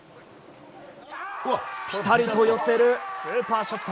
ピタリと寄せるスーパーショット。